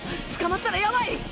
捕まったらやばい！